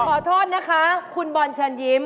ขอโทษนะคะคุณบอนฉันยิ้ม